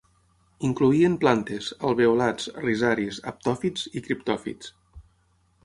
Incloïen plantes, alveolats, rizaris, haptòfits i criptòfits.